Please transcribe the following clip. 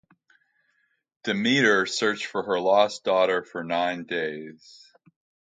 Demeter searched for her lost daughter for nine days.